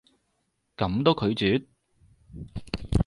噉都拒絕？